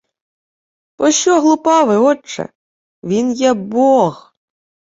— Пощо глупавий, отче! Він є бог.